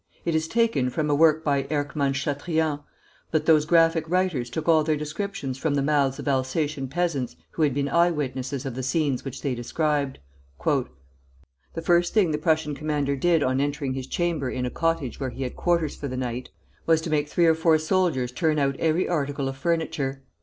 It is taken from a work by Erckmann Chatrian; but those graphic writers took all their descriptions from the mouths of Alsatian peasants who had been eye witnesses of the scenes which they described: [Footnote 1: La Plébiscite.] "The first thing the Prussian commander did on entering his chamber in a cottage where he had quarters for the night, was to make three or four soldiers turn out every article of furniture.